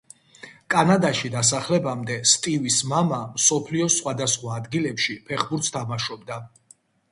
კანადაში დასახლებამდე, სტივის მამა მსოფლიოს სხვადასხვა ადგილებში ფეხბურთს თამაშობდა.